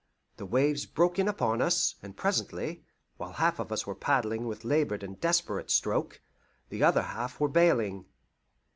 The waves broke in upon us, and presently, while half of us were paddling with laboured and desperate stroke, the other half were bailing.